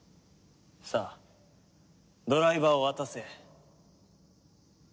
さあドライバーを渡せ。